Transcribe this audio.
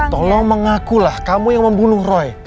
tolong mengakulah kamu yang membunuh roy